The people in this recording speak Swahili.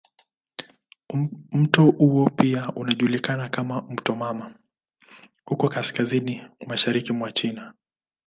Mto huo pia unajulikana kama "mto mama" huko kaskazini mashariki mwa China.